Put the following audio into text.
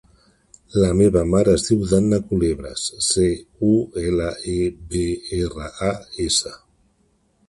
La meva mare es diu Danna Culebras: ce, u, ela, e, be, erra, a, essa.